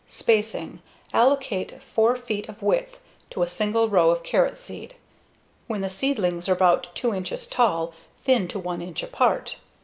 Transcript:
Spacing: Allocate 4 feet of width to a single row of carrot seed. When the seedlings are about 2 inches tall, thin to 1 inch apart.